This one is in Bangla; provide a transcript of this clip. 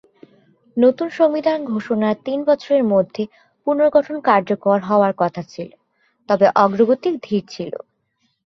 নতুন সংবিধান ঘোষণার তিন বছরের মধ্যে পুনর্গঠন কার্যকর হওয়ার কথা ছিল, তবে অগ্রগতি ধীর ছিল।